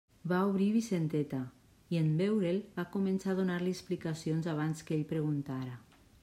Va obrir Vicenteta, i en veure'l va començar a donar-li explicacions abans que ell preguntara.